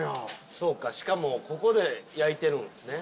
そうかしかもここで焼いてるんですね。